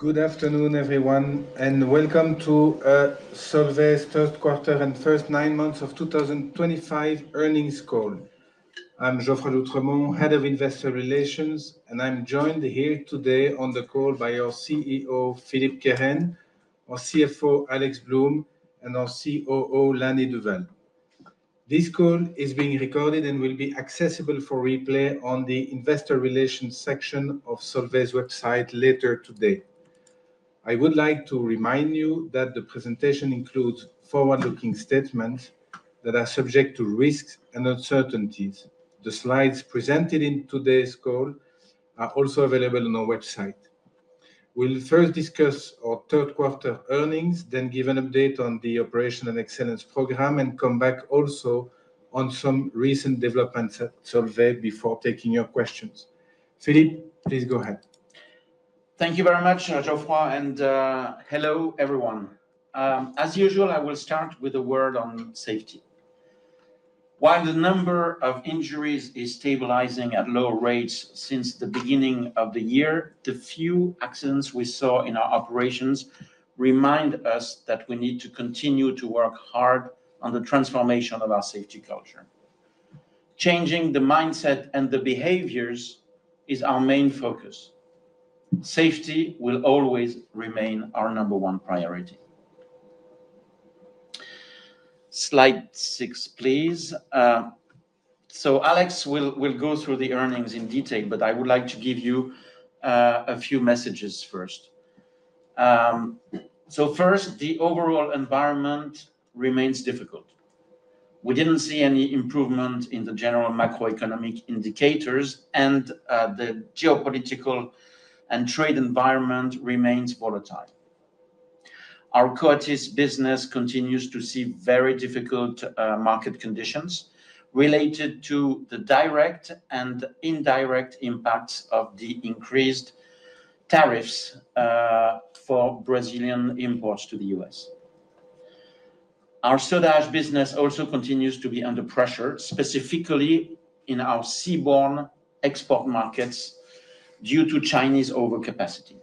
Good afternoon everyone and welcome to Solvay's third quarter and first nine months of 2025 earnings call. I'm Geoffroy d'Oultremont, Head of Investor Relations, and I'm joined here today on the call by our CEO Philippe Kehren, our CFO Alexandre Blum, and our COO Lanny Duvall. This call is being recorded and will be accessible for replay on the Investor Relations section of Solvay's website later today. I would like to remind you that the presentation includes forward-looking statements that are subject to risks and uncertainties. The slides presented in today's call are also available on our website. We'll first discuss our third quarter earnings, then give an update on the operational excellence program and come back also on some recent developments at Solvay before taking your questions. Philippe, please go ahead. Thank you very much, Geoffroy and hello everyone. As usual, I will start with a word on safety. While the number of injuries is stabilizing at low rates since the beginning of the year, the few accidents we saw in our operations remind us that we need to continue to work hard on the transformation of our safety culture. Changing the mindset and the behaviors is our main focus. Safety will always remain our number one priority. Slide six, please. Alex will go through the earnings in detail, but I would like to give you a few messages first. First, the overall environment remains difficult. We did not see any improvement in the general macroeconomic indicators and the geopolitical and trade environment remains volatile. Our Coatis business continues to see very difficult market conditions related to the direct and indirect impacts of the increased tariffs for Brazilian imports to the US. Our soda ash business also continues to be under pressure specifically in our seaborne export markets due to Chinese overcapacity.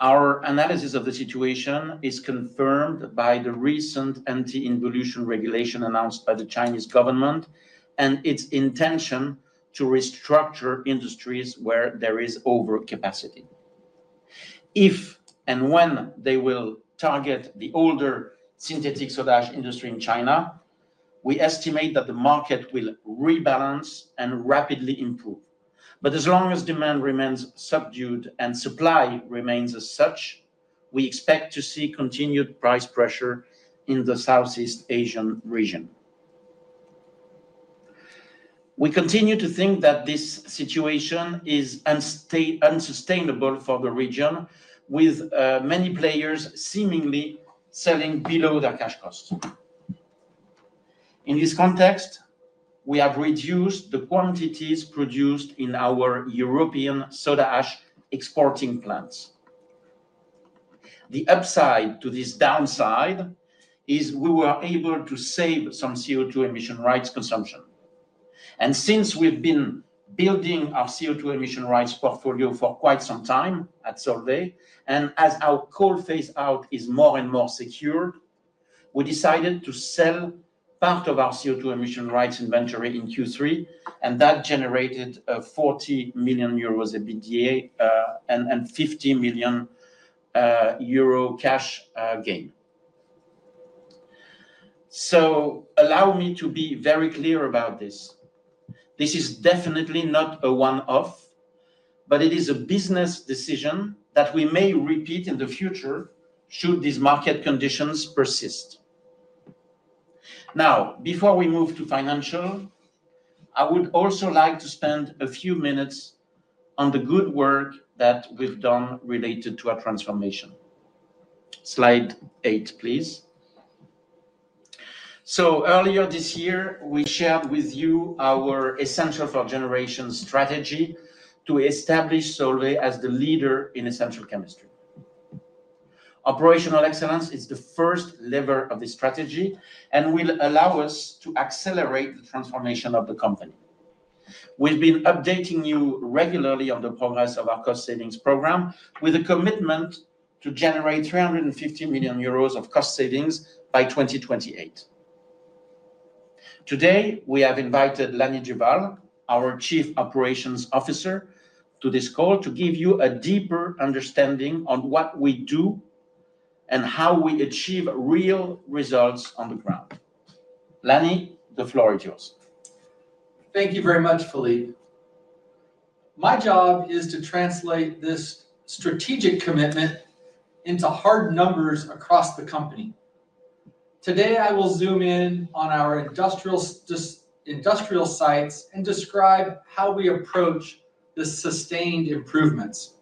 Our analysis of the situation is confirmed by the recent anti-involution regulation announced by the Chinese government and its intention to restructure industries where there is overcapacity. If and when they will target the older synthetic soda ash industry in China, we estimate that the market will rebalance and rapidly improve. As long as demand remains subdued and supply remains as such, we expect to see continued price pressure in the Southeast Asian region. We continue to think that this situation is unsustainable for the region with many players seemingly selling below their cash cost. In this context, we have reduced the quantities produced in our European soda ash exporting plants. The upside to this downside is we were able to save some CO2 emission rights consumption. Since we have been building our CO2 emission rights portfolio for quite some time at Solvay and as our coal phase out is more and more secured, we decided to sell part of our CO2 emission rights inventory in Q3 and that generated 40 million euros EBITDA and 50 million euro cash gain. Allow me to be very clear about this. This is definitely not a one off, but it is a business decision that we may repeat in the future should these market conditions persist. Now, before we move to financial, I would also like to spend a few minutes on the good work that we have done related to our transformation. Slide 8, please. Earlier this year we shared with you our Essential Generation strategy to establish Solvay as the leader in essential chemistry. Operational excellence is the first lever of this strategy and will allow us to accelerate the transformation of the company. We have been updating you regularly on the progress of our cost savings program with a commitment to generate 350 million euros of cost savings by 2028. Today, we have invited Lanny Duvall, our Chief Operations Officer, to this call to give you a deeper understanding on what we do and how we achieve real results on the ground. Lanny, the floor is yours. Thank you very much, Philippe. My job is to translate this strategic commitment into hard numbers across the company. Today I will zoom in on our industrial sites and describe how we approach the sustained improvements.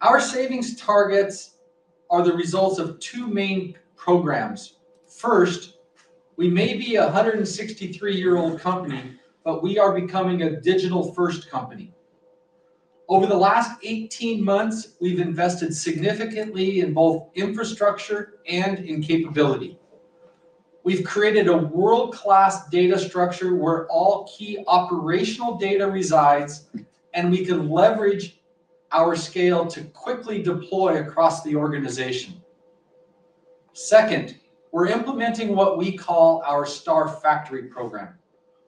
Our savings targets are the results of two main programs. First, we may be a 163-year-old company, but we are becoming a digital first company. Over the last 18 months, we've invested significantly in both infrastructure and in capability. We've created a world class data structure where all key operational data resides and we can leverage our scale to quickly deploy across the organization. Second, we're implementing what we call our STAR factory program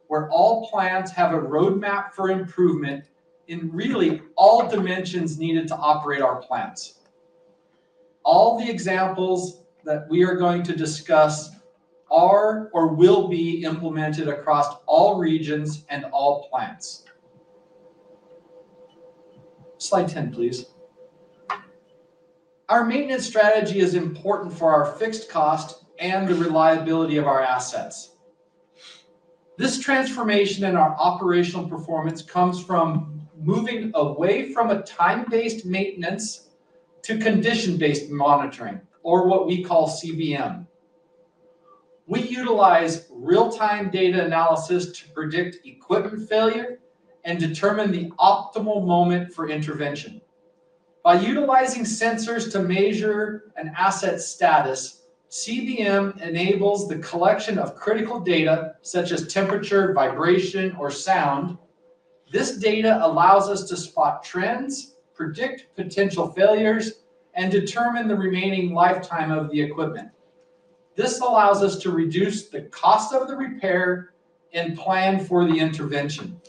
where all plants have a roadmap for improvement in really all dimensions needed to operate our plants. All the examples that we are going to discuss are or will be implemented across all regions and all plants. Slide 10, please. Our maintenance strategy is important for our fixed cost and the reliability of our assets. This transformation in our operational performance comes from moving away from a time based maintenance to condition based monitoring or what we call CBM. We utilize real time data analysis to predict equipment failure and determine the optimal moment for intervention. By utilizing sensors to measure an asset status, CBM enables the collection of critical data such as temperature, vibration or sound. This data allows us to spot trends, predict potential failures and determine the remaining lifetime of the equipment. This allows us to reduce the cost of the repair and plan for the intervention.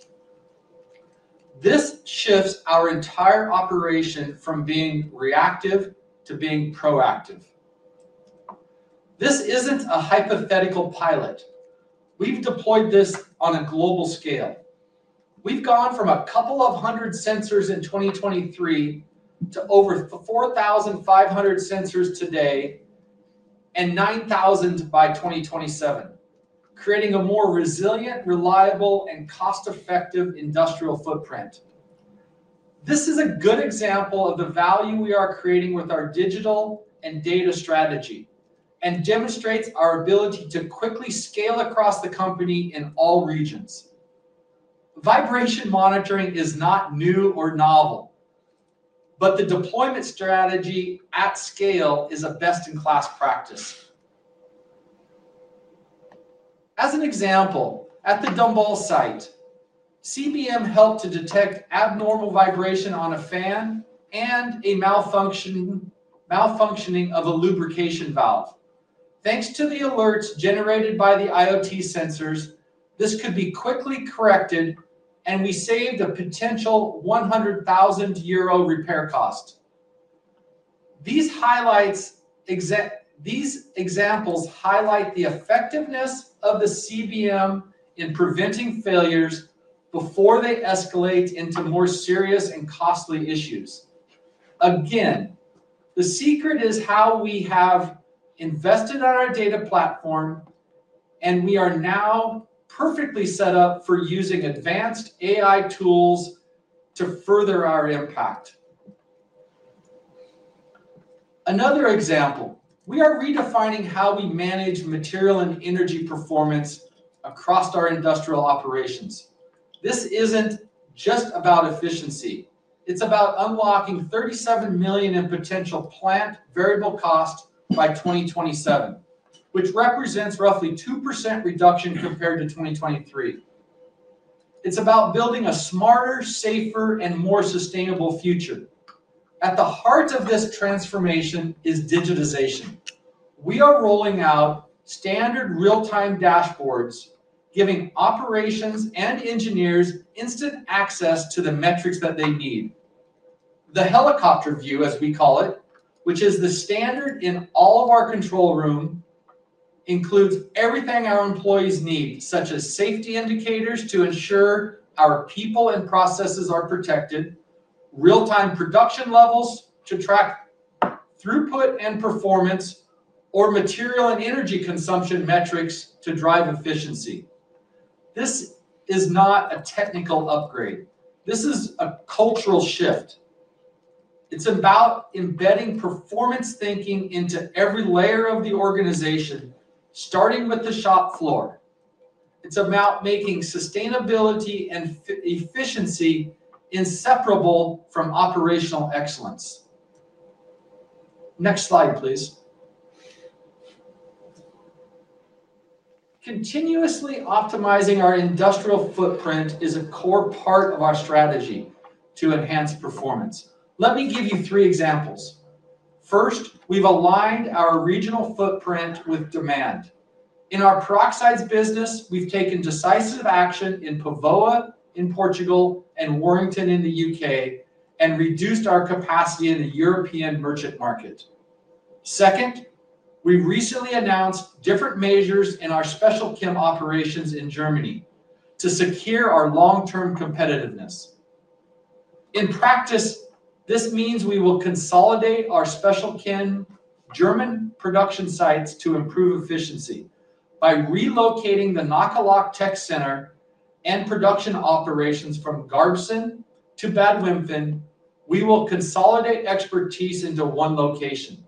This shifts our entire operation from being reactive to being proactive. This isn't a hypothetical pilot. We've deployed this on a global scale. We've gone from a couple of hundred sensors in 2023 to over 4,500 sensors today and 9,000 by 2027, creating a more resilient, reliable, and cost-effective industrial footprint. This is a good example of the value we are creating with our digital and data strategy and demonstrates our ability to quickly scale across the company in all regions. Vibration monitoring is not new or novel, but the deployment strategy at scale is a best-in-class practice. As an example, at the Dombasle site, CBM helped to detect abnormal vibration on a fan and a malfunctioning of a lubrication valve. Thanks to the alerts generated by the IoT sensors, this could be quickly corrected and we saved a potential 100,000 euro repair cost. These examples highlight the effectiveness of the CBM in preventing failures before they escalate into more serious and costly issues. Again, the secret is how we have invested on our data platform and we are now perfectly set up for using advanced AI tools to further our impact. Another example, we are redefining how we manage material and energy performance across our industrial operations. This is not just about efficiency, it is about unlocking 37 million in potential plant variable cost by 2027, which represents roughly 2% reduction compared to 2023. It is about building a smarter, safer and more sustainable future. At the heart of this transformation is digitization. We are rolling out standard real time dashboards, giving operations and engineers instant access to the metrics that they need. The helicopter view as we call it, which is the standard in all of our control rooms, includes everything our employees need such as safety indicators to ensure our people and processes are protected. Real-time production levels to track throughput and performance or material and energy consumption metrics to drive efficiency. This is not a technical upgrade, this is a cultural shift. It is about embedding performance thinking into every layer of the organization, starting with the shop floor. It is about making sustainability and efficiency inseparable from operational excellence. Next slide please. Continuously optimizing our industrial footprint is a core part of our strategy to enhance performance. Let me give you three examples. First, we have aligned our regional footprint with demand in our peroxides business. We have taken decisive action in Póvoa in Portugal and Warrington in the U.K., and reduced our capacity in the European merchant market. Second, we recently announced different measures in our special chem operations in Germany to secure our long-term competitiveness. In practice, this means we will consolidate our special chem German production sites to improve efficiency by relocating the Nakaloc Tech center and production operations from Garbsen to Bad Wimpfen. We will consolidate expertise into one location.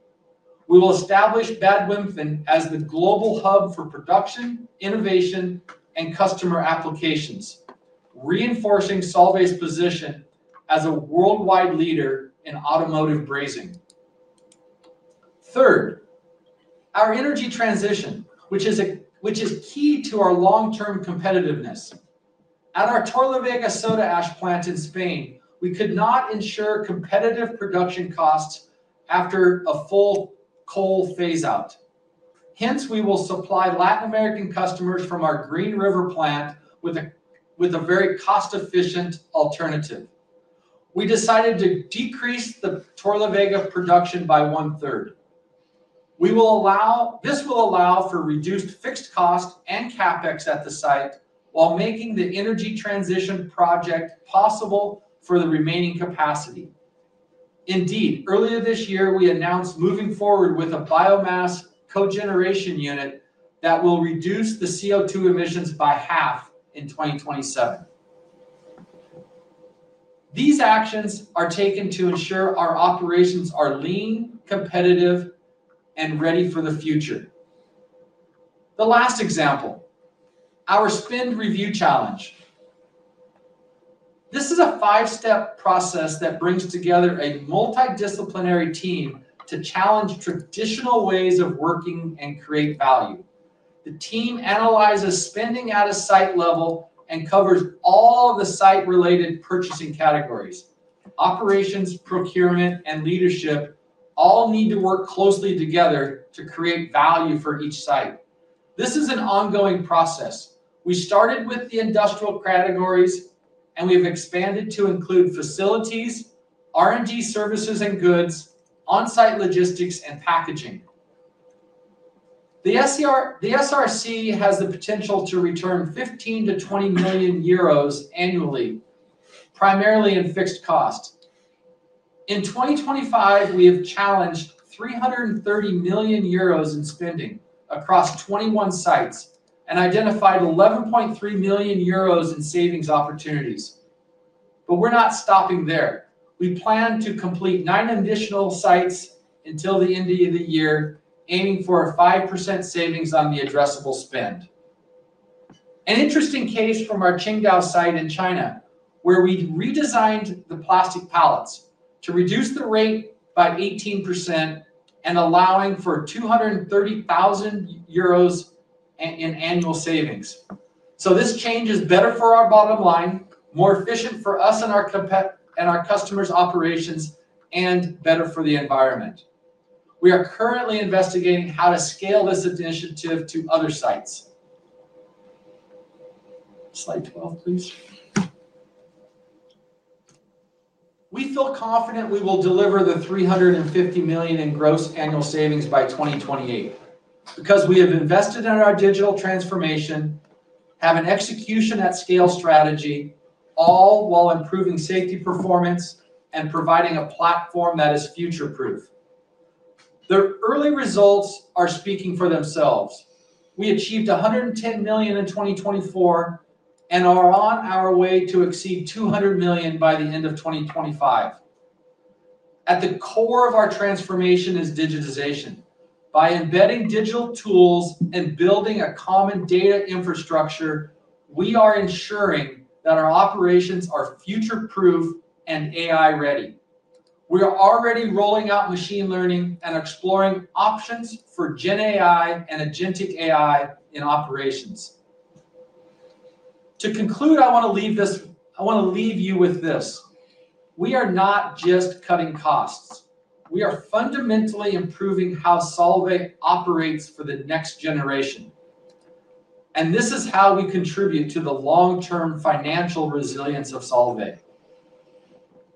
We will establish Bad Wimpfen as the global hub for production, innovation, and customer applications, reinforcing Solvay's position as a worldwide leader in automotive brazing. Third, our energy transition, which is key to our long-term competitiveness. At our Torrelavega soda ash plant in Spain, we could not ensure competitive production costs after a full coal phase out. Hence, we will supply Latin American customers from our Green River plant with a very cost-efficient alternative. We decided to decrease the Torrelavega production by one-third. This will allow for reduced fixed cost and CapEx at the site while making the energy transition project possible for the remaining capacity. Indeed, earlier this year we announced moving forward with a biomass cogeneration unit that will reduce the CO2 emissions by half in 2027. These actions are taken to ensure our operations are lean, competitive, and ready for the future. The last example, our Spend Review Challenge, this is a five-step process that brings together a multidisciplinary team to challenge traditional ways of working and create value. The team analyzes spending at a site level and covers all the site-related purchasing categories. Operations, procurement, and leadership all need to work closely together to create value for each site. This is an ongoing process. We started with the industrial categories and we have expanded to include facilities, R and D services and goods on site, logistics, and packaging. The SRC has the potential to return 15 million-20 million euros annually, primarily in fixed cost. In 2025 we have challenged 330 million euros in spending across 21 sites and identified 11.3 million euros in savings opportunities. We are not stopping there. We plan to complete nine additional sites until the end of the year, aiming for a 5% savings on the addressable spend. An interesting case from our Qingdao site in China where we redesigned the plastic pallets to reduce the rate by 18% and allowing for 230,000 euros in annual savings. This change is better for our bottom line, more efficient for us and our customers' operations, and better for the environment. We are currently investigating how to scale this initiative to other sites. Slide 12 please. We feel confident we will deliver the 350 million in gross annual savings by 2028 because we have invested in our digital transformation, have an execution at scale strategy, all while improving safety performance and providing a platform that is future proof. The early results are speaking for themselves. We achieved 110 million in 2024 and are on our way to exceed 200 million by the end of 2025. At the core of our transformation is digitization. By embedding digital tools and building a common data infrastructure, we are ensuring that our operations are future proof and AI ready. We are already rolling out machine learning and exploring options for GenAI and agentic AI in operations. To conclude, I want to leave you with this. We are not just cutting costs, we are fundamentally improving how Solvay operates for the next generation and this is how we contribute to the long-term financial resilience of Solvay.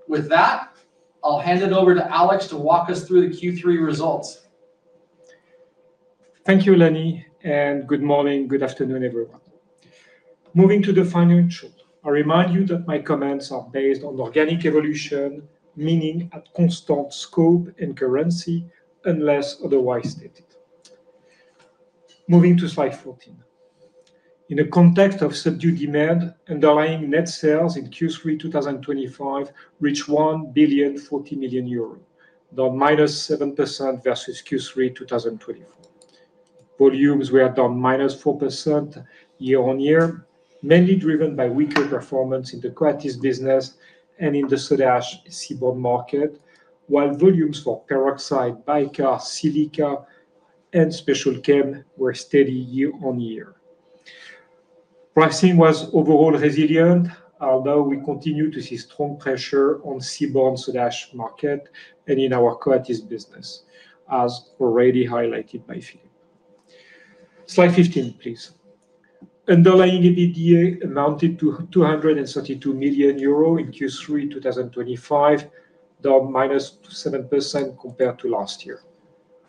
With that, I'll hand it over to Alex to walk us through the Q3 results. Thank you Lanny and good morning. Good afternoon everyone. Moving to the financial, I remind you that my comments are based on organic evolution, meaning at constant scope and currency unless otherwise stated. Moving to slide 14, in the context of subdued demand, underlying net sales in Q3 2025 reached EUR 1,040,000,000, down -7% versus Q3 2024. Volumes were down -4% year on year, mainly driven by weaker performance in the Coatis business and in the soda seaborne market. While volumes for Peroxide, Bica, Silica, and Special Chem were steady year-on-year, pricing was overall resilient although we continue to see strong pressure on the seaborne market and in our Coatis business as already highlighted by Philippe. Slide 15 please. Underlying EBITDA amounted to 232 million euro in Q3 2025, down -7% compared to last year.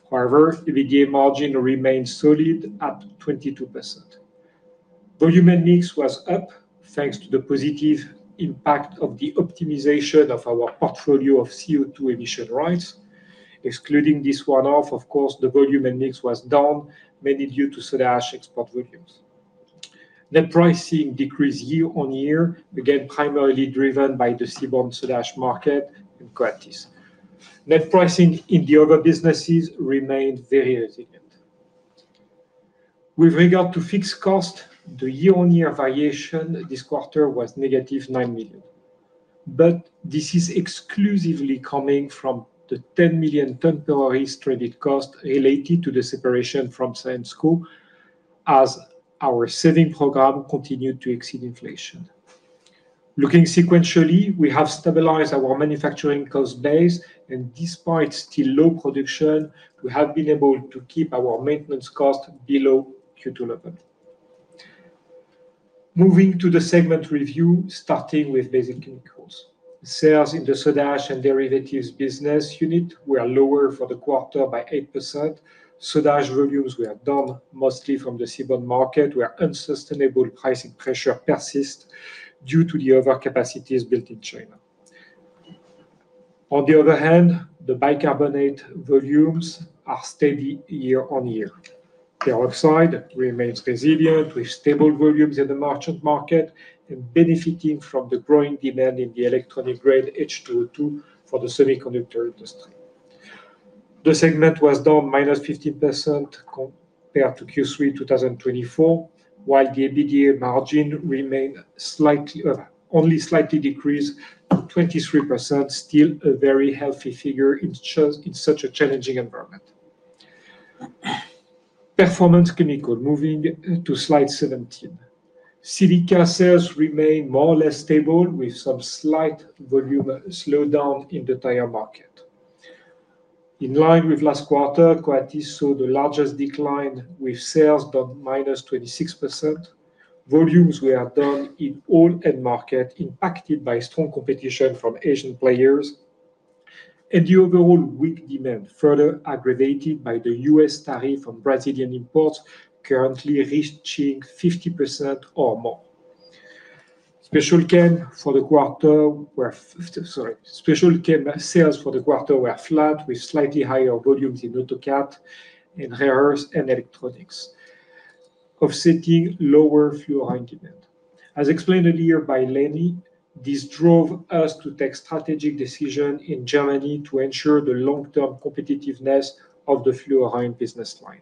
However, EBITDA margin remained solid at 22%. Volume and mix was up thanks to the positive impact of the optimization of our portfolio of CO2 emission rights. Excluding this one-off, of course, the volume and mix was down mainly due to soda ash export volumes. Net pricing decreased year-on-year again primarily driven by the seaborne soda ash market and coatis. Net pricing in the other businesses remained very resilient with regard to fixed cost. The year-on-year variation this quarter was negative 9 million, but this is exclusively coming from the 10 million temporary credit cost related to the separation from Syensqo as our saving program continued to exceed inflation. Looking sequentially, we have stabilized our manufacturing cost base and despite still low production we have been able to keep our maintenance cost below Q2 level. Moving to the segment review, starting with basic chemicals, sales in the soda ash and derivatives business unit were lower for the quarter by 8%. Soda ash volumes were down mostly from the seaborne market where unsustainable pricing pressure persist due to the overcapacities built in China. On the other hand, the bicarbonate volumes are steady year-on-year. The upside remains resilient with stable volumes in the merchant market and benefiting from the growing demand in the electronic grade H2O2 for the semiconductor industry. The segment was down -15% compared to Q3 2024 while the EBITDA margin remained slightly over, only slightly decreased, 23%, still a very healthy figure in such a challenging environment. Performance chem moving to slide 17, civil car sales remain more or less stable with some slight volume slowdown in the tire market in line with last quarter. Coatis saw the largest decline with sales down 26%. Volumes were down in all end markets impacted by strong competition from Asian players and the overall weak demand, further aggravated by the US tariff on Brazilian imports currently reaching 50% or more. Special chem sales for the quarter were flat with slightly higher volumes in auto, cat, and rehearse and electronics offsetting lower fluorine demand. As explained earlier by Lanny, this drove us to take strategic decision in Germany to ensure the long-term competitiveness of the fluorine business line.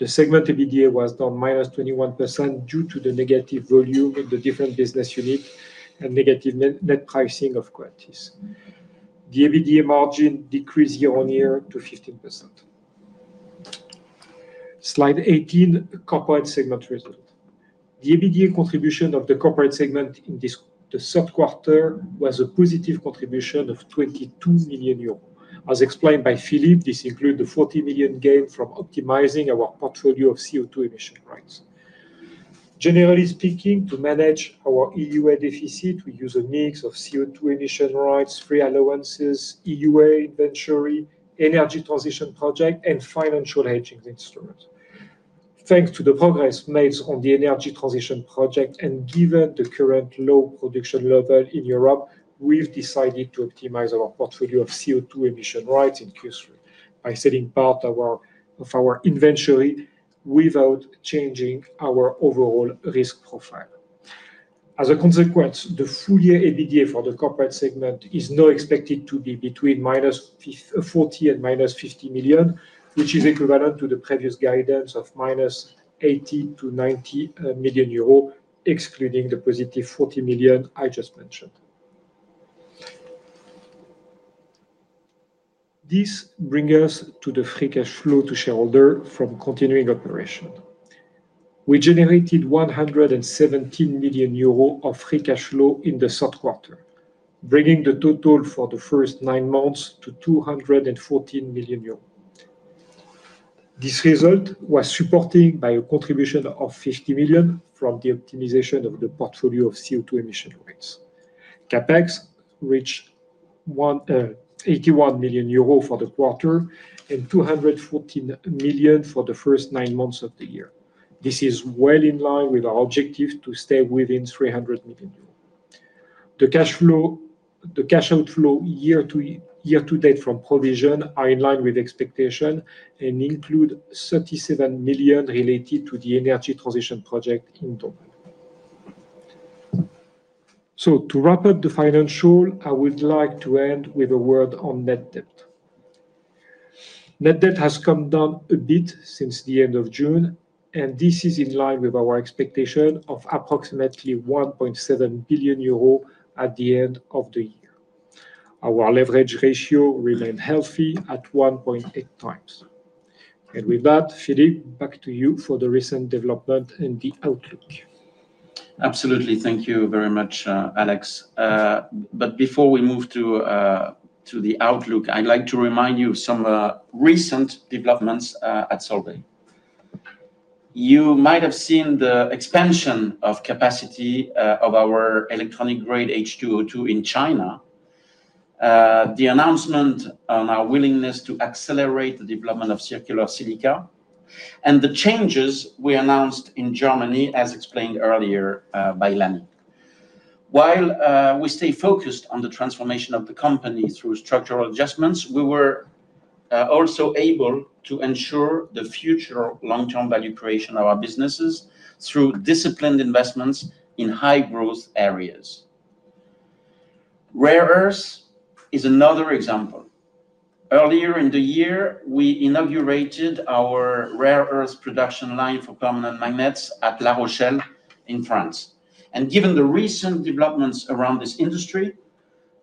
The segment EBITDA was down 21% due to the negative volume in the different business units and negative net pricing of Coatis. The EBITDA margin decrease year-on-year to 15%. Slide 18 Corporate segment result. The EBITDA contribution of the corporate segment in the third quarter was a positive contribution of 22 million euros. As explained by Philippe, this includes the 40 million gain from optimizing our portfolio of CO2 emission rights. Generally speaking, to manage our EUA deficit we use a mix of CO2 emission rights, free allowances, EUA inventory, energy transition project, and financial hedging instruments. Thanks to the progress made on the energy transition project and given the current low production level in Europe, we've decided to optimize our portfolio of CO2 emission rights in Q3 by setting part of our inventory without changing our overall risk profile. As a consequence, the full year EBITDA for the corporate segment is now expected to be between -40 million and -50 million, which is equivalent to the previous guidance of -80 million to -90 million euro excluding the positive 40 million I just mentioned. This brings us to the free cash flow to shareholders from continuing operation. We generated 117 million euros of free cash flow in the third quarter, bringing the total for the first nine months to 214 million euros. This result was supported by a contribution of 50 million from the optimization of the portfolio of CO2 emission rights. CapEx reached 81 million euro for the quarter and 214 million for the first nine months of the year. This is well in line with our objective to stay within 300 million euros. The cash outflow year-to-year, year-to-date from provision are in line with expectation and include 37 million related to the energy transition project in Tokyo. To wrap up the financial, I would like to end with a word on net debt. Net debt has come down a bit since the end of June and this is in line with our expectation of approximately 1.7 billion euro at the end of the year. Our leverage ratio remains healthy at 1.8 times. With that, Philippe, back to you for the recent development and the outlook. Absolutely, thank you very much, Alex. Before we move to the outlook, I'd like to remind you of some recent developments at Solvay. You might have seen the expansion of capacity of our electronic grade H2O2 in China, the announcement on our willingness to accelerate the development of circular silica, and the changes we announced in Germany as explained earlier by Lani. While we stay focused on the transformation of the company through structural adjustments, we were also able to ensure the future long term value creation of our businesses through disciplined investments and in high growth areas. Rare earth is another example. Earlier in the year we inaugurated our rare earth production line for permanent magnets at La Rochelle in France. Given the recent developments around this industry,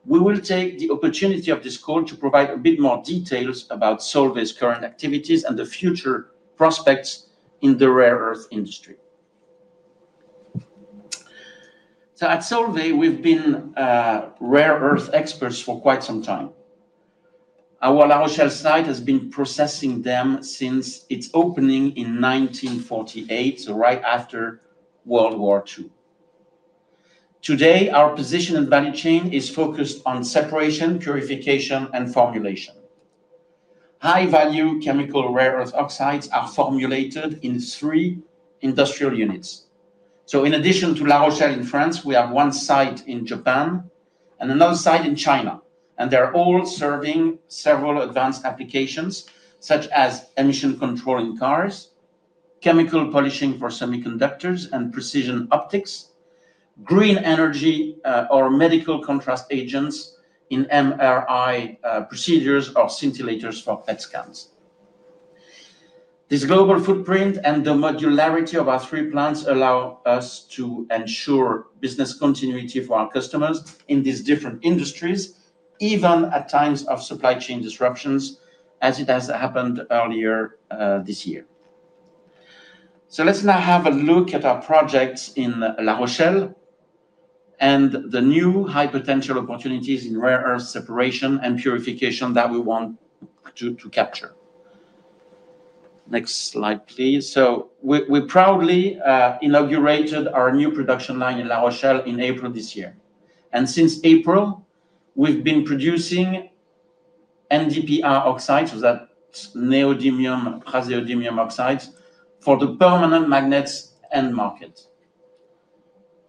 we will take the opportunity of this call to provide a bit more details about Solvay's current activities and the future prospects in the rare earth industry. At Solvay we've been rare earth experts for quite some time. Our La Rochelle site has been processing them since its opening in 1948, right after World War II. Today our position at value chain is focused on separation, purification, and formulation. High value chemical rare earth oxides are formulated in three industrial units. In addition to La Rochelle in France, we have one site in Japan and another site in China. They are all serving several advanced applications such as emission control in cars, chemical polishing for semiconductors and precision optics, green energy, or medical contrast agents in MRI procedures or scintillators for PET scans. This global footprint and the modularity of our three plants allow us to ensure business continuity for our customers in these different industries, even at times of supply chain disruptions, as it has happened earlier this year. Let's now have a look at our projects in La Rochelle and the new high potential opportunities in rare earth separation and purification that we want to capture. Next slide please. We proudly inaugurated our new production line in La Rochelle in April this year and since April we've been producing NDPR oxide, so that neodymium praseodymium oxides for the permanent magnets end market.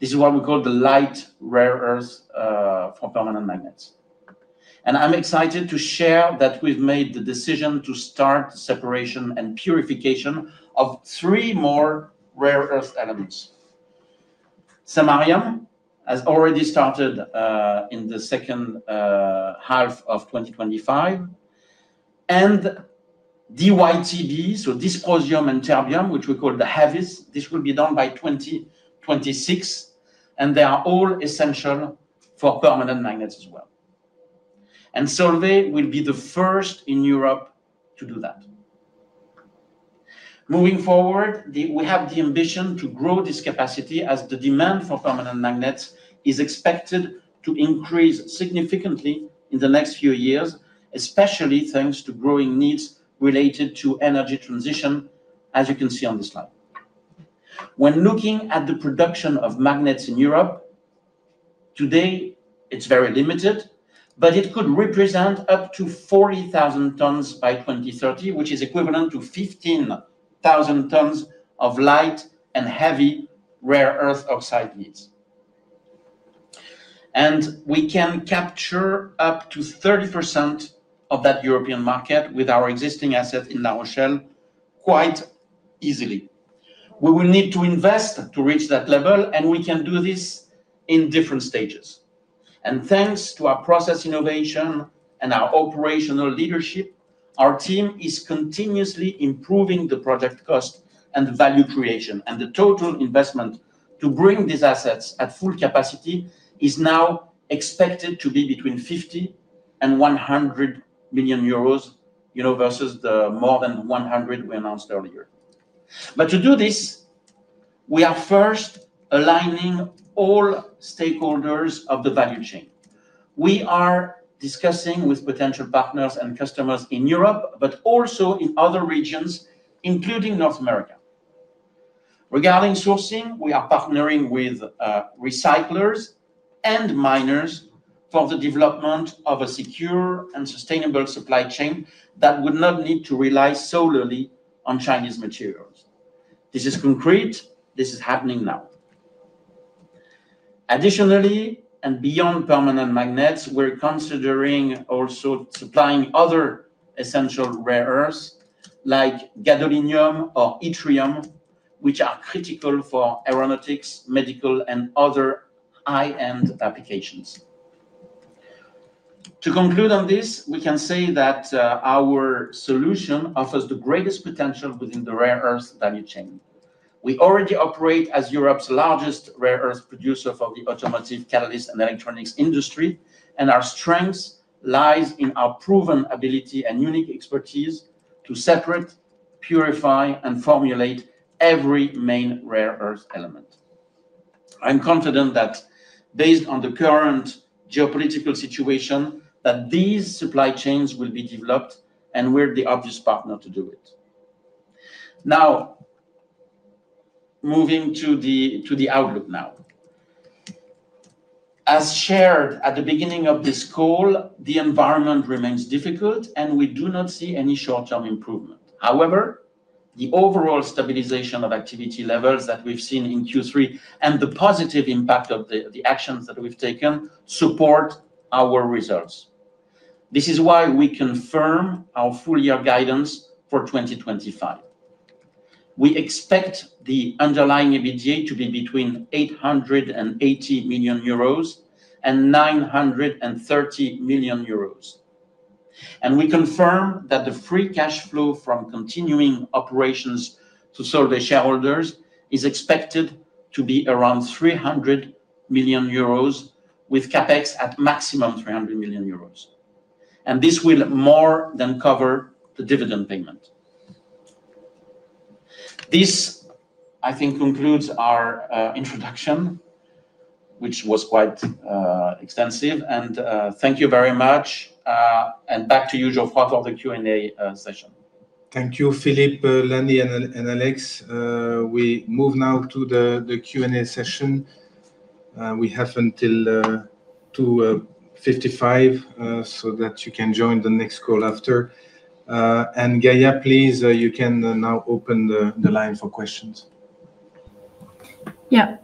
This is what we call the light rare earth for permanent magnets and I'm excited to share that we've made the decision to start separation and purification of three more rare earth elements. Samaria has already started in the second half of 2025 and DYTB, so dysprosium and terbium, which we call the heavies. This will be done by 2026 and they are all essential for permanent magnets as well. Solvay will be the first in Europe to do that. Moving forward, we have the ambition to grow this capacity as the demand for permanent magnets is expected to increase significantly in the next few years, especially thanks to growing needs related to energy transition. As you can see on the slide, when looking at the production of magnets in Europe today, it is very limited, but it could represent up to 40,000 tons by 2030, which is equivalent to 15,000 tons of light and heavy rare earth oxide needs. We can capture up to 30% of that European market with our existing assets in our shell quite easily. We will need to invest to reach that level and we can do this in different stages. Thanks to our process innovation and our operational leadership, our team is continuously improving the project cost and value creation. The total investment to bring these assets at full capacity is now expected to be between 50 million and 100 million euros versus the more than 100 million we announced earlier. To do this, we are first aligning all stakeholders of the value chain. We are discussing with potential partners and customers in Europe, but also in other regions, including North America. Regarding sourcing, we are partnering with recyclers and miners for the development of a secure and sustainable supply chain that would not need to rely solely on Chinese materials. This is concrete, this is happening now. Additionally and beyond permanent magnets, we're considering also supplying other essential rare earths like gadolinium or yttrium, which are critical for aeronautics, medical and other high end applications. To conclude on this, we can say that our solution offers the greatest potential within the rare earth value chain. We already operate as Europe's largest rare earth producer for the automotive catalyst and electronics industry. Our strength lies in our proven ability and unique expertise to separate, purify and formulate every main rare earth element. I'm confident that based on the current geopolitical situation, these supply chains will be developed and we're the obvious partner to do it now. Moving to the outlook now, as shared at the beginning of this call, the environment remains difficult and we do not see any short term improvement. However, the overall stabilization of activity levels that we've seen in Q3 and the positive impact of the actions that we've taken support our results. This is why we confirm our full year guidance for 2025. We expect the underlying EBITDA to be between 880 million euros and 930 million euros. We confirm that the free cash flow from continuing operations to Solvay shareholders is expected to be around 300 million euros with CapEx at maximum 300 million euros. This will more than cover the dividend payment. This, I think, concludes our introduction which was quite extensive. Thank you very much. Back to you, Joao, for the Q and A session. Thank you, Philippe, Lanny and Alex. We move now to the Q and A session. We have until 2:55 so that you can join the next call after. Gaia, please. You can now open the line for questions. Yeah.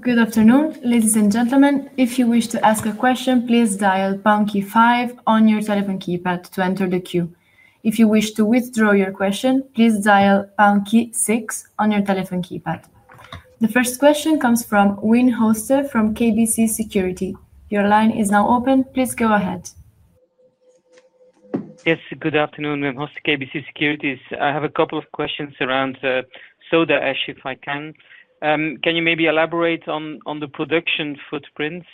Good afternoon, ladies and gentlemen. If you wish to ask a question, please dial *5 on your telephone keypad to enter the queue. If you wish to withdraw your question, please dial *6 on your telephone keypad. The first question comes from Wynn Hoster from KBC Securities. Your line is now open. Please go ahead. Yes, good afternoon, Hoster, KBC Securities. I have a couple of questions around soda ash, if I can. Can you maybe elaborate on the production footprints?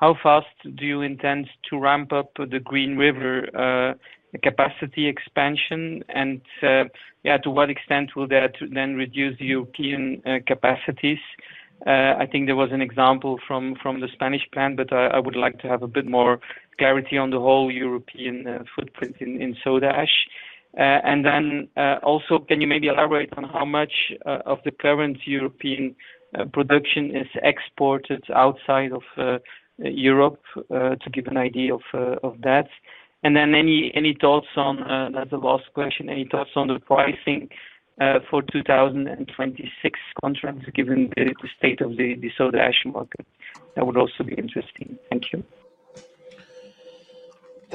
How fast do you intend to ramp up the Green River capacity expansion and to what extent will that then reduce European capacities? I think there was an example from the Spanish plant, but I would like to have a bit of clarity on the whole European footprint in soda ash. Can you maybe elaborate on how much of the current European production is exported outside of Europe to give an idea of that? Any thoughts on, that's the last question, any thoughts on the pricing for 2026 contracts? Given the state of the soda ash market, that would also be interesting.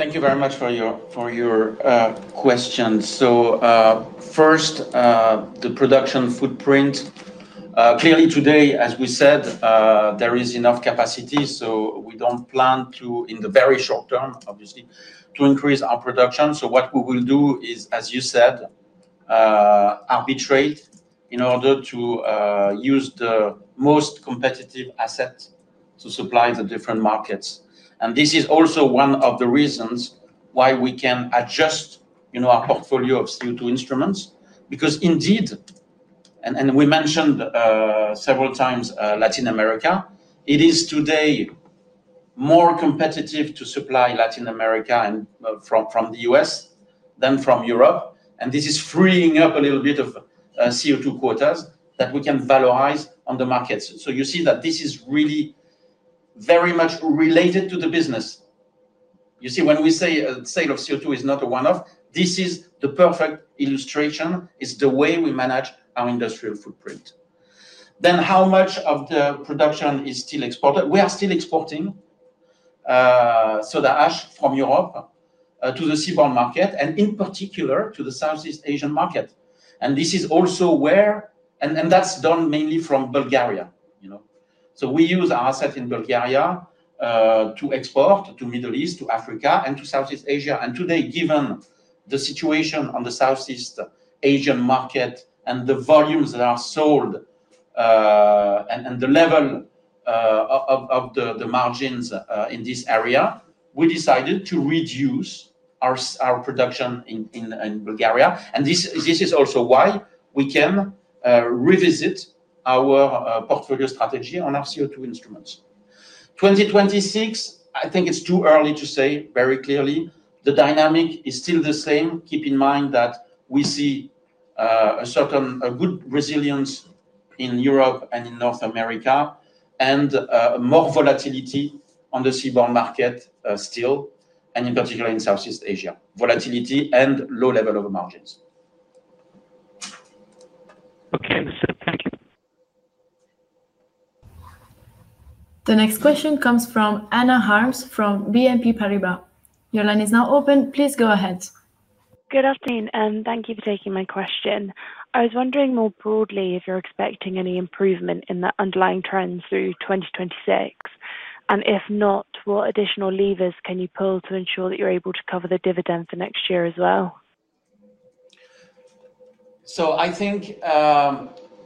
Thank you. Thank you very much for your question. First, the production footprint. Clearly today, as we said, there is enough capacity, so we do not plan to in the very short term, obviously to increase our production. What we will do is, as you said, arbitrate in order to use the most competitive asset to supply the different markets. This is also one of the reasons why we can adjust our portfolio of CO2 instruments because indeed, and we mentioned several times, Latin America, it is today more competitive to supply Latin America from the US than from Europe. This is freeing up a little bit of CO2 quotas that we can valorize on the markets. You see that this is really very much related to the business. You see, when we say sale of CO2 is not a one off, this is the perfect illustration. It's the way we manage our industrial footprint. How much of the production is still exported? We are still exporting soda ash from Europe to the seaborne market, in particular to the Southeast Asian market. This is also where. That's done mainly from Bulgaria, you know, so we use our assets in Bulgaria to export to the Middle East, to Africa, and to Southeast Asia. Today, given the situation on the Southeast Asian market and the volumes that are sold and the level of the margins in this area, we decided to reduce our production in Bulgaria. This is also why we can revisit our portfolio strategy on our CO2 instruments. 2026. I think it's too early to say very clearly. The dynamic is still the same. Keep in mind that we see a good resilience in Europe and in North America and more volatility on the seaborne market still, in particular in Southeast Asia. Volatility and low level of margins. Okay, understood. Thank you. The next question comes from Anna Harms from BNP Paribas. Your line is now open. Please go ahead. Good afternoon and thank you for taking my question. I was wondering more broadly if you're expecting any improvement in the underlying trends through 2026 and if not, what additional levers can you pull to ensure that you're able to cover the dividend for next year as well. I think,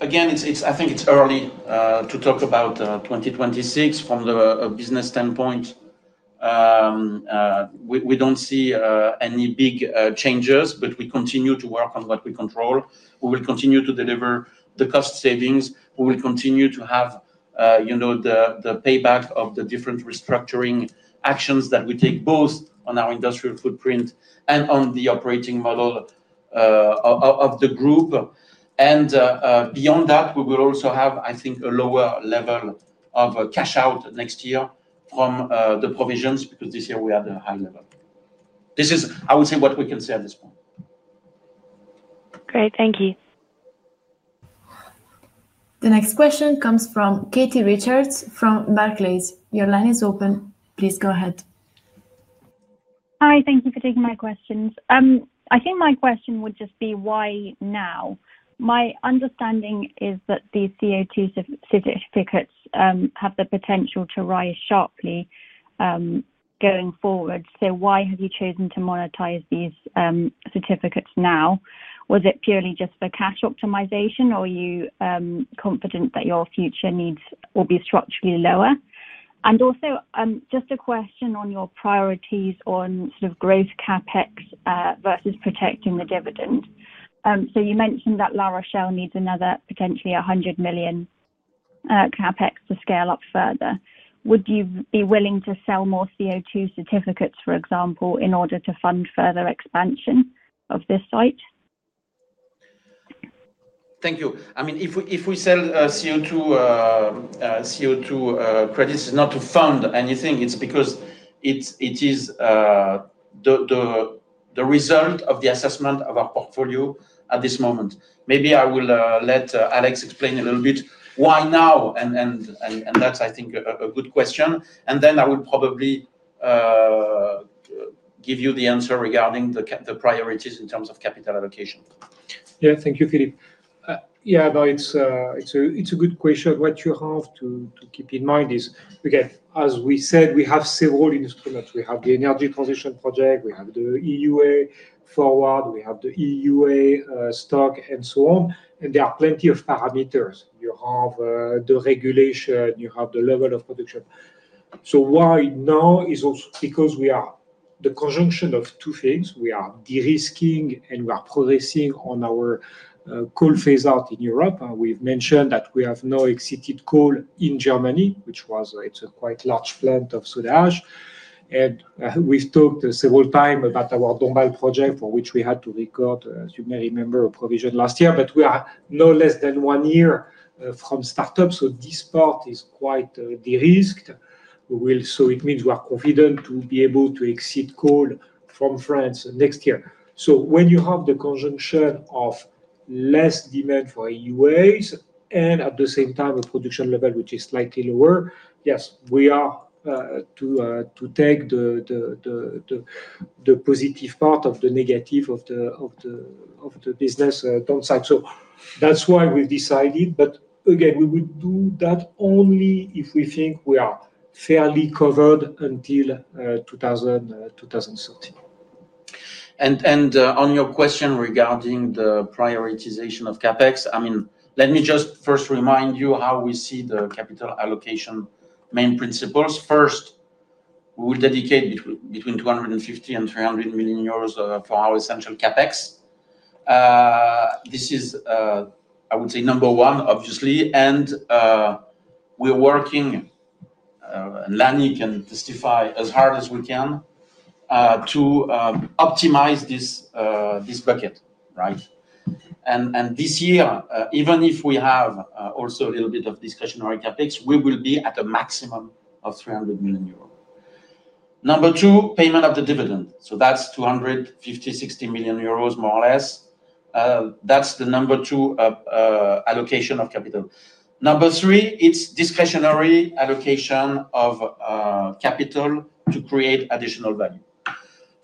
again, I think it's early to talk about 2026 from the business standpoint. We don't see any big changes, but we continue to work on what we control. We will continue to deliver the cost savings. We will continue to have the payback of the different restructuring actions that we take both on our industrial footprint and on the operating model of the group. Beyond that, we will also have, I think, a lower level of cash out next year from the provisions, because this year we had a high level. This is, I would say, what we can say at this point. Great, thank you. The next question comes from Katie Richards from Barclays. Your line is open. Please go ahead. Hi, thank you for taking my questions. I think my question would just be, why now? My understanding is that the CO2 certificates have the potential to rise sharply going forward. Why have you chosen to monetize these certificates now? Was it purely just for cash optimization or are you confident that your future needs will be structurally lower? Also, just a question on your priorities on sort of growth CapEx versus protecting the dividend. You mentioned that La Rochelle needs another potentially 100 million CapEx to scale up further. Would you be willing to sell more CO2 certificates, for example, in order to fund further expansion of this site? Thank you. I mean if we sell CO2 credits, it is not to fund anything, it is because it is the result of the assessment of our portfolio at this moment. Maybe I will let Alex explain a little bit why now, and that is, I think, a good question, and then I will probably give you the answer regarding the priorities in terms of capital allocation. Yeah, thank you, Philippe. Yeah, it's a good question. What you have to keep in mind is, as we said, we have several instruments, we have the energy transition project, we have the EUA forward, we have the EUA stock and so on. There are plenty of parameters. You have the regulation, you have the level of production. Why now is also because we are at the conjunction of two things. We are de-risking and we are progressing on our coal phase out in Europe. We've mentioned that we have now exited coal in Germany, which was quite a large plant of soda ash, and we've talked several times about our Dombasle project for which we had to record, as you may remember, a provision last year. We are no less than one year from startup, so this part is quite de-risked. It means we are confident to be able to exit coal from France next year. When you have the conjunction of less demand for EUAs and at the same time a production level which is slightly lower, yes, we are to take the positive part of the negative of the business downside. That is why we have decided. Again, we would do that only if we think we are fairly covered until 2030. On your question regarding the prioritization of CapEx, I mean let me just first remind you how we see the capital allocation main principles. First, we will dedicate between 250 million-300 million euros for our essential CapEx. This is, I would say, number one, obviously, and we are working, Lanny can testify, as hard as we can to optimize this bucket, right? This year, even if we have also a little bit of discretionary CapEx, we will be at a maximum of 300 million euros. Number two, payment of the dividend. That is 250 million-260 million euros more or less. That is the number two allocation of capital. Number three, it is discretionary allocation of capital to create additional value.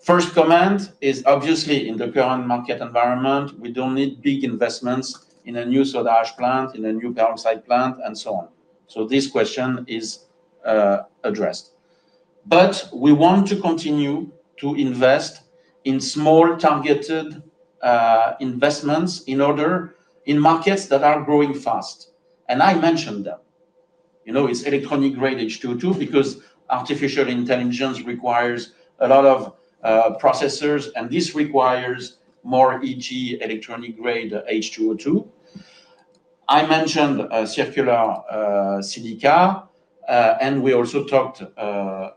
First comment is obviously in the current market environment we do not need big investments in a new soda ash plant, in a new biocide plant and so on. This question is addressed. We want to continue to invest in small targeted investments in markets that are growing fast. I mentioned them, you know, it's electronic grade H2O2 because artificial intelligence requires a lot of processors and this requires more electronic grade H2O2. I mentioned circular silica and we also talked a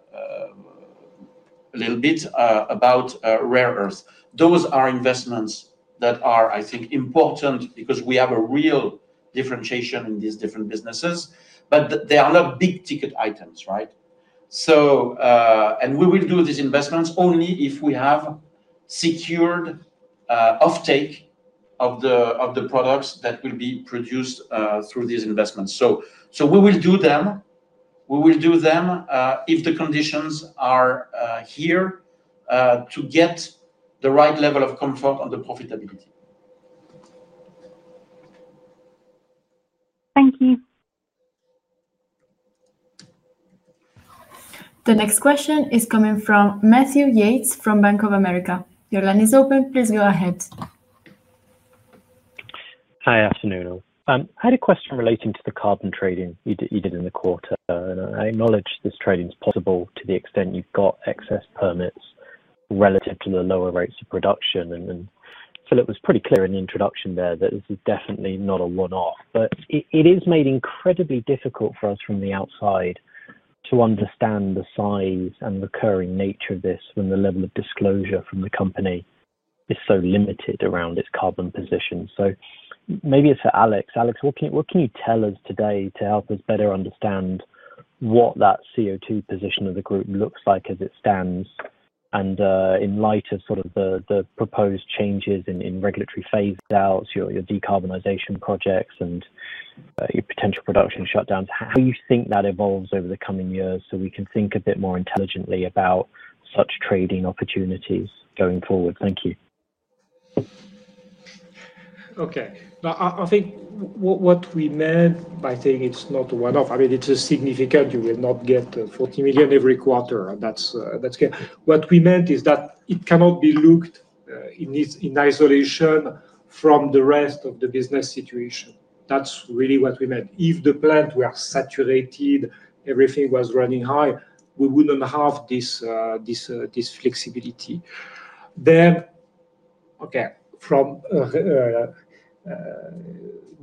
little bit about rare earth. Those are investments that are, I think, important because we have a real differentiation in these different businesses. They are not big ticket items. Right. We will do these investments only if we have secured offtake of the products that will be produced through these investments. We will do them if the conditions are here to get the right level of comfort on the profitability. Thank you. The next question is coming from Matthew Yates from Bank of America. Your line is open. Please go ahead. Hi. Afternoon. I had a question relating to the carbon trading you did in the quarter. I acknowledge this trading is possible to the extent you've got excess permits relative to the lower rates of production. Philippe was pretty clear in the introduction there that this is definitely not a one off. It is made incredibly difficult for us from the outside to understand the size and recurring nature of this when the level of disclosure from the company is so limited around its carbon position. Maybe it's for Alex. Alex, what can you tell us today to help us better understand what that CO2 position of the group looks like as it is. In light of sort of the proposed changes in regulatory phase outs, your decarbonisation projects, and your potential production shutdowns, how you think that evolves over the coming years so we can think a bit more intelligently about such trading opportunities going forward. Thank you. Okay. I think what we meant by saying it's not a one off, I mean it's significant. You will not get 40 million every quarter. That's what we meant is that it cannot be looked in isolation from the rest of the business situation. That's really what we meant. If the plant were saturated, everything was running high, we wouldn't have this flexibility then. Okay. From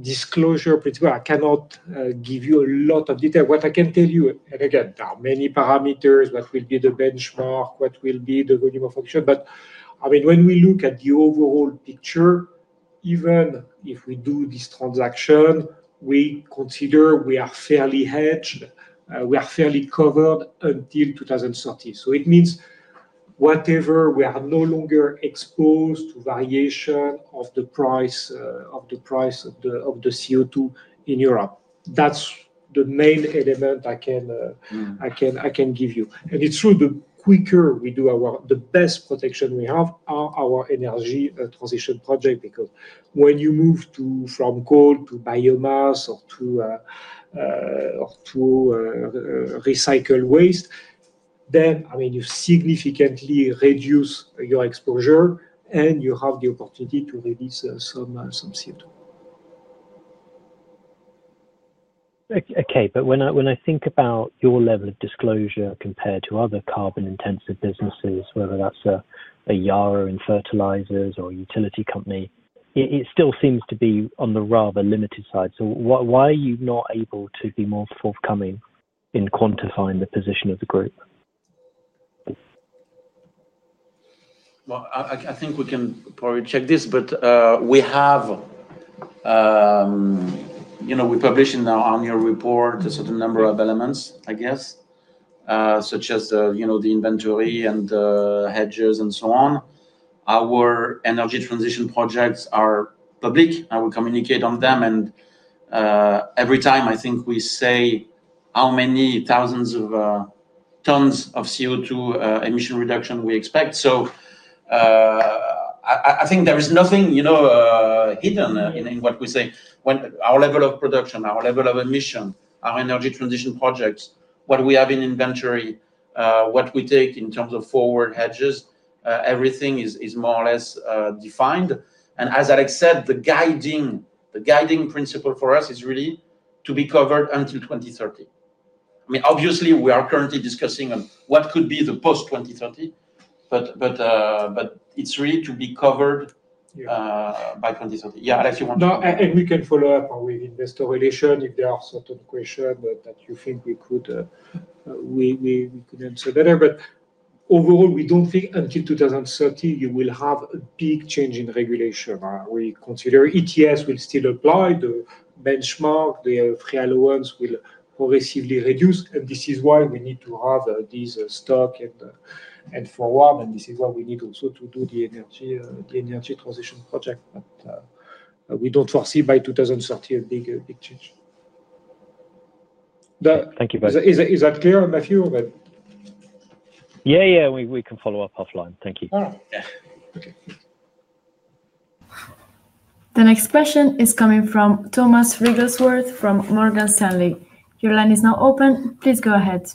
disclosure principle, I cannot give you a lot of detail. What I can tell you and again, there are many parameters. What will be the benchmark, what will be the volume of action. I mean when we look at the overall picture, even if we do this transaction, we consider we are fairly hedged, we are fairly covered until 2030. It means whatever, we are no longer exposed to variation of the price of the CO2 in Europe. That's the main element I can give you. It is true, the quicker we do our, the best protection we have are our energy transition project. Because when you move from coal to biomass or to recycle waste, I mean you significantly reduce your exposure and you have the opportunity to release some CO2. Okay, but when I think about your level of disclosure compared to other carbon intensive businesses, whether that's a YARA in fertilizers or a utility company, it still seems to be on the rather limited side. Why are you not able to be more forthcoming in quantifying the position of the group? I think we can probably check this, but we have, you know, we publish in our annual report a certain number of elements, I guess, such as, you know, the inventory and hedges and so on. Our energy transition projects are public. I will communicate on them. Every time, I think, we say how many thousands of tons of CO2 emission reduction we expect. I think there is nothing hidden in what we say. Our level of production, our level of emission, our energy transition projects, what we have in inventory, what we take in terms of forward hedges, everything is more or less defined. As Alex said, the guiding principle for us is really to be covered until 2030. I mean, obviously, we are currently discussing what could be the post 2030, but it is really to be covered by 2030. Yeah. We can follow up with investor relations if there are certain questions that you think we could answer better. Overall, we do not think until 2030 you will have a big change in regulation. We consider ETS will still apply the benchmark, the free allowance will progressively reduce, and this is why we need to have these stock, and for one, this is what we need also to do the energy transition project. We do not foresee by 2030 a big change. Thank you. Is that clear, Matthew? Yeah, yeah, we can follow up offline. Thank you. The next question is coming from Thomas Rigelsworth from Morgan Stanley. Your line is now open. Please go ahead.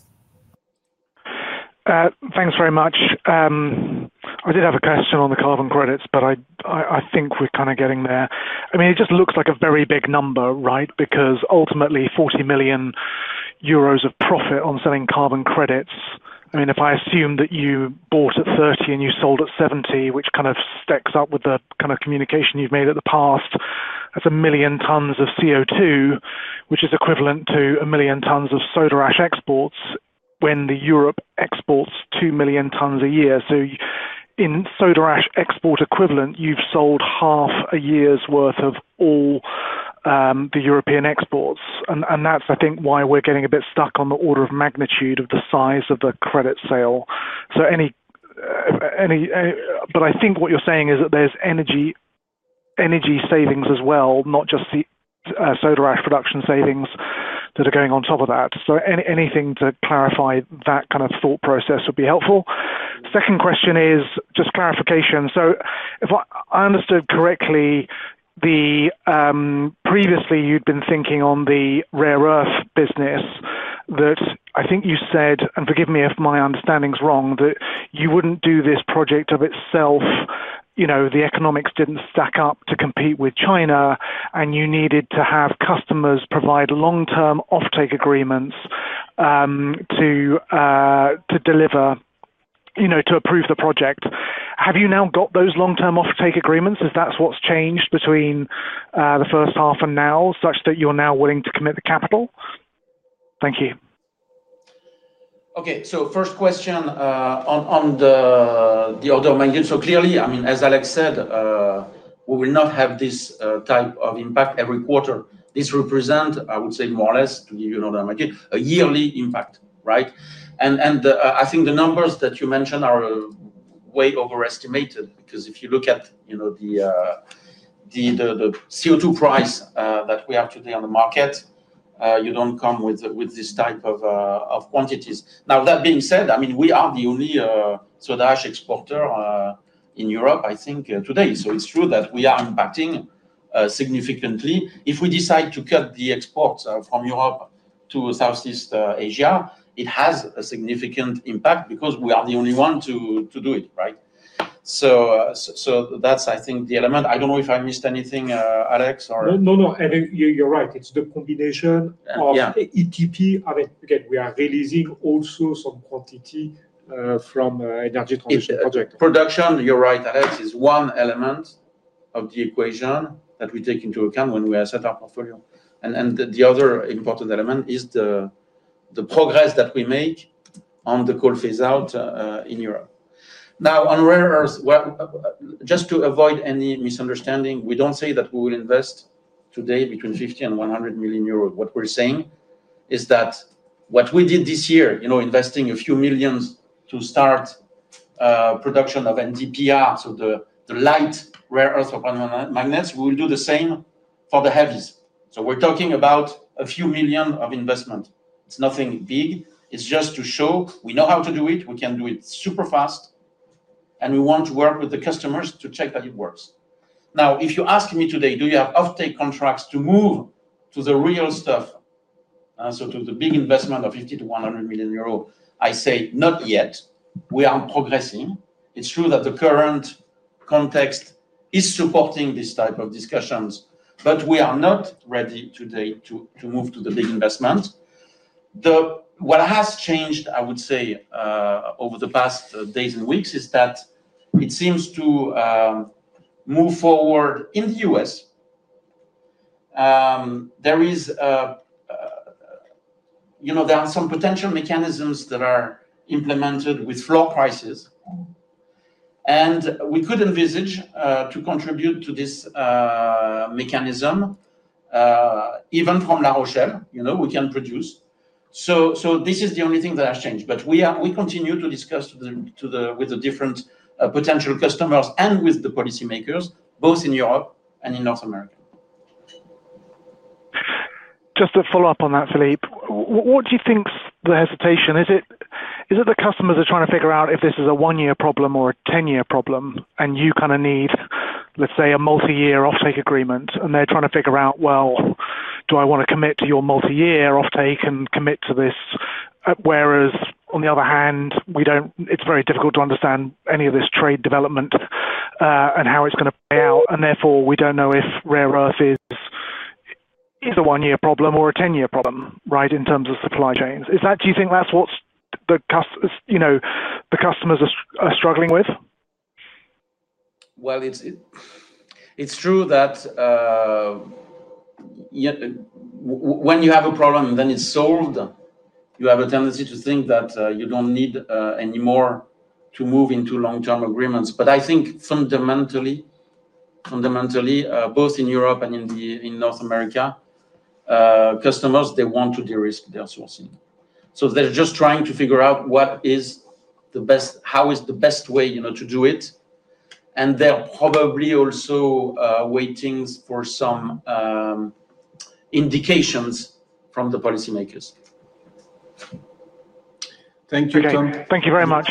Thanks very much. I did have a question on the carbon credits, but I think we're kind of getting there. I mean it just looks like a very big number. Right, because ultimately 40 million euros of profit on selling carbon credits, I mean if I assume that you bought at 30 and you sold at 70, which kind of sticks up with the kind of communication you've made in the past, that's a million tonnes of CO2, which is equivalent to a million tonnes of soda ash exports when Europe exports 2 million tonnes a year. In soda ash export equivalent, you've sold half a year's worth of all the European exports. I think that's why we're getting a bit stuck on the order of magnitude of the size of the credit sale. So any. I think what you're saying is that there's energy savings as well, not just the soda ash production savings that are going on top of that. Anything to clarify that kind of thought process would be helpful. Second question is just clarification. If I understood correctly, previously you'd been thinking on the rare earth business that I think you said, and forgive me if my understanding is wrong, that you wouldn't do this project of itself. You know, the economics didn't stack up to compete with China and you needed to have customers provide long term offtake agreements to deliver, you know, to approve the project. Have you now got those long term offtake agreements? Is that what's changed between the first half and now such that you're now willing to commit the capital? Thank you. Okay, first question on the order of. Clearly, I mean as Alex said, we will not have this type of impact every quarter. This represents, I would say, more or less to give you another, a yearly impact. Right. I think the numbers that you mentioned are way overestimated because if you look at, you know, the CO2 price that we have today on the market, you do not come with this type of quantities. Now, that being said, I mean, we are the only soda ash exporter in Europe I think today. It is true that we are impacting significantly. If we decide to cut the exports from Europe to Southeast Asia, it has a significant impact because we are the only one to do it. Right. That's, I think, the element. I don't know if I missed anything, Alex. No, you're right. The combination of ETP, I mean again, we are releasing also some quantity from. Energy transition project production. You're right, Alex, is one element of the equation that we take into account when we assess our portfolio and the other important element is the progress that we make on the coal phase out in Europe. Now on rare earth, just to avoid any misunderstanding. We don't say that we will invest today between 50 million and 100 million euros. What we're saying is that what we did this year, you know, investing a few million to start production of NDPR, so the light rare earth magnets, we will do the same for the heavies. So we're talking about a few million of investment. It's nothing big, it's just to show we know how to do it, we can do it super fast and we want to work with the customers to check that it works. Now if you ask me today, do you have offtake contracts to move to the real stuff? To the big investment of 50 million-100 million euro, I say not yet. We are progressing. It's true that the current context is supporting this type of discussions, but we are not ready today to move to the big investment. What has changed, I would say over the past days and weeks is that it seems to move forward. In the U.S. there is, you know, there are some potential mechanisms that are implemented with floor prices and we could envisage to contribute to this mechanism. Even from La Rochelle, you know, we can produce. This is the only thing that has changed. We continue to discuss with the different potential customers and with the policymakers both in Europe and in North America. Just to follow up on that, Philippe, what do you think is the hesitation? Is it the customers are trying to figure out if this is a one year problem or a ten year problem and you kind of need, let's say, a multi year offtake agreement and they're trying to figure out, well, do I want to commit to your multi year offtake and commit to this. Whereas on the other hand, it's very difficult to understand any of this trade development and how it's going to pay out. Therefore, we do not know if rare earth is a one year problem or a ten year problem, right. In terms of supply chains, do you think that's what the customers are struggling with? It is true that when you have a problem, then it is solved. You have a tendency to think that you do not need anymore to move into long term agreements. I think fundamentally, fundamentally, both in Europe and in North America, customers, they want to de-risk their sourcing. They are just trying to figure out what is the best, how is the best way, you know, to do it. They are probably also waiting for some indications from the policymakers. Thank you. Thank you very much.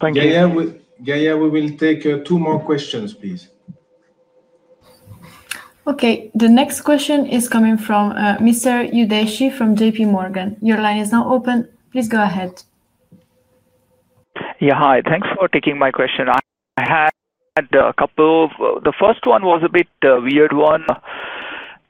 Thank you. We will take two more questions, please. Okay. The next question is coming from Mr. Yudeshi from JP Morgan. Your line is now open. Please go ahead. Yeah, hi. Thanks for taking my question. I had a couple. The first one was a bit weird. One,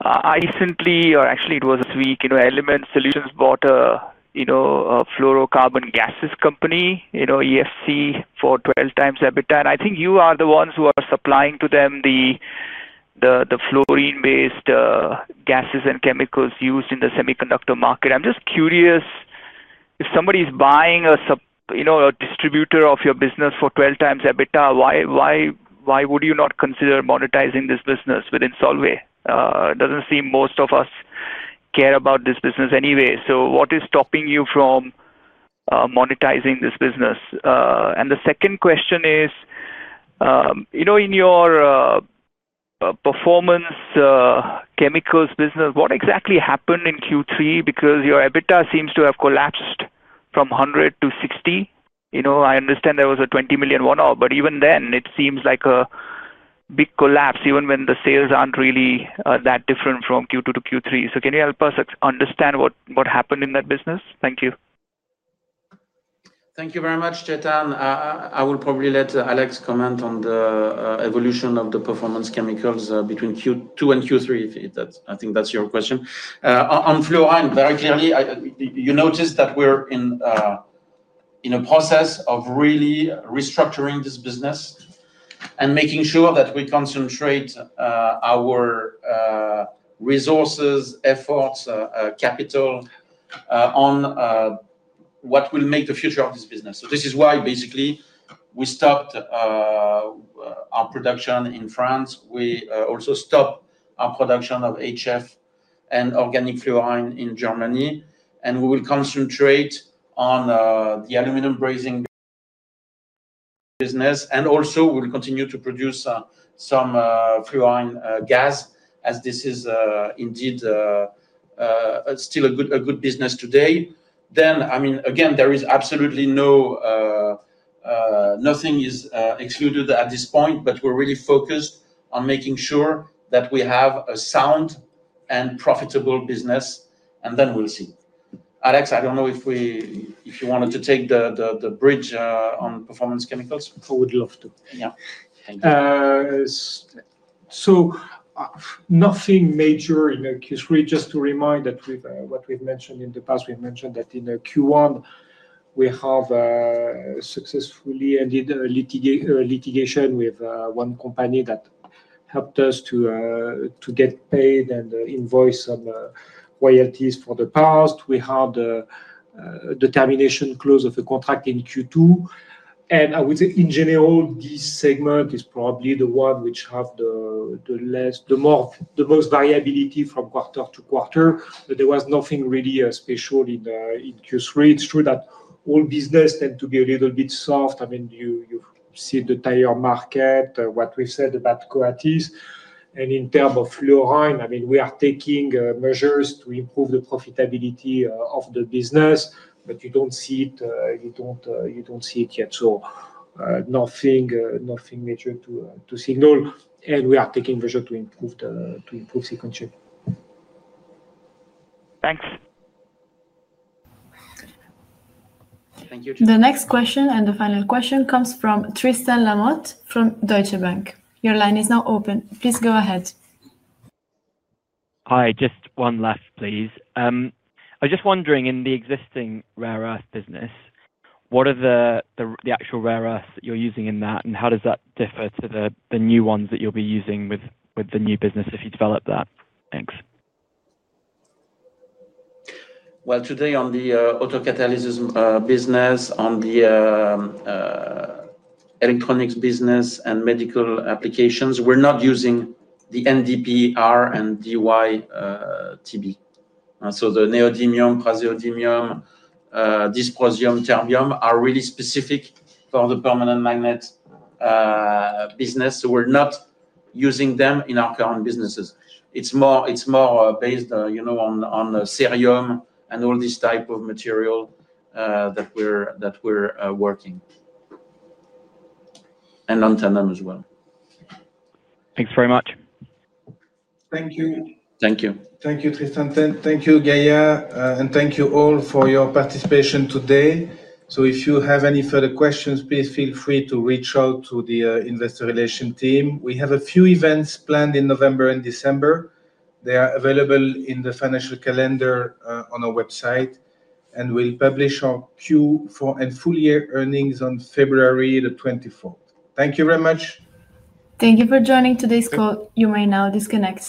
I recently, or actually it was this week, Element Solutions bought a fluorocarbon gases company EFC for 12 times EBITDA. And I think you are the ones who are supplying to them the fluorine-based gases and chemicals used in the semiconductor market. I'm just curious, if somebody is buying a distributor of your business for 12 times EBITDA, why would you not consider monetizing this business within Solvay, it doesn't seem most of us care about this business anyway. What is stopping you from monetizing this business? The second question is, you know, in your performance chemicals business, what exactly happened in Q3? Because your EBITDA seems to have collapsed from 100 to 60. You know, I understand there was a 20 million one-off, but even then it seems like a big collapse even when the sales aren't really that different from Q2-Q3. Can you help us understand what happened in that business? Thank you. Thank you very much. Jeta. I will probably let Alex comment on the evolution of the performance chemicals between Q2 and Q3. I think that's your question on fluorine. Very clearly you noticed that we're in a process of really restructuring this business and making sure that we concentrate our resources, efforts, capital on what will make the future of this business. This is why basically we stopped our production in France. We also stopped our production of HF and organic fluorine in Germany and we will concentrate on the aluminum brazing business and also we'll continue to produce some fluorine gas. As this is indeed still a good, a good business today, I mean again there is absolutely no, nothing is excluded at this point. We are really focused on making sure that we have a sound and profitable business and then we'll see. Alex, I do not know if you wanted to take the bridge on performance chemicals. I would love to. Yeah. Nothing major in Q3. Just to remind that what we've mentioned in the past, we mentioned that in Q1 we have successfully ended litigation with one company that helped us to get paid and invoice some royalties. For the past we had the termination close of a contract in Q2 and I would say in general this segment is probably the one which have the less, the more, the most variability from quarter to quarter. There was nothing really special in Q3. It's true that all business tend to be a little bit soft. I mean, you see the tire market, what we've said about Coatis and in terms of fluorine, I mean, we are taking measures to improve the profitability of the business. You don't see it, you don't see it yet. Nothing major to signal and we are taking measure to improve sequentially. Thanks. The next question, and the final question comes from Tristan Lamotte from Deutsche Bank. Your line is now open. Please go ahead. Hi, just one left, please. I was just wondering, in the existing. Rare earth business, what are the actual rare earths that you're using in that and how does that differ to the. New ones that you'll be using with. The new business if you develop that? Thanks. Today on the autocatalysis business, on the electronics business and medical applications, we're not using the NDPR and DY TB. The neodymium, praseodymium, dysprosium, terbium are really specific for the permanent magnet business. We're not using them in our current businesses. It's more based, you know, on cerium and all this type of material that we're working and antennae as well. Thanks very much. Thank you. Thank you. Thank you, Tristan. Thank you, Gaya, and thank you all for your participation today. If you have any further questions, please feel free to reach out to the investor relations team. We have a few events planned in November and December. They are available in the financial calendar on our website and will publish our Q4 and full year earnings on February 24. Thank you very much. Thank you for joining today's call. You may now disconnect.